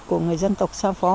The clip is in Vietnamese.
của người dân tộc xa phó